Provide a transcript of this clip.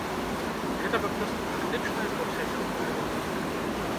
Гэта папросту практычная паўсядзённая вопратка.